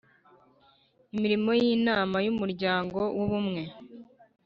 imirimo y inama y Umuryango w Ubumwe